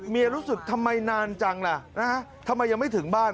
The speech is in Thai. รู้สึกทำไมนานจังล่ะนะฮะทำไมยังไม่ถึงบ้าน